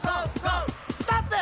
「ストップ！」